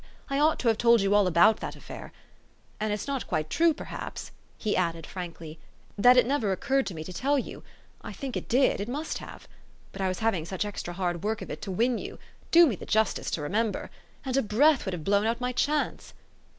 I ought to have told you all about that affair. And it's not quite true, perhaps," he added frankly, u that it never occurred to me to tell you. I think it did must have. But I was having such extra hard work of it to win you, do me the justice to remember, and a breath would have blown out my chance.